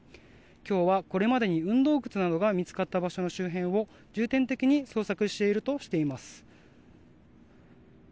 今日はこれまでに運動靴が見つかった場所などの周辺を重点的に捜索しているとしています。